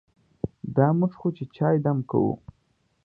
دا موږ خو چې چای دم کوو.